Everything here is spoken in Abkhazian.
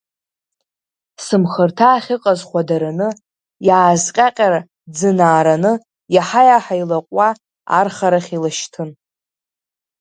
Сымхырҭа ахьыҟаз хәадараны, иаазҟьаҟьара-ӡынаараны, иаҳа-иаҳа илаҟәуа, архарахь илашьҭын.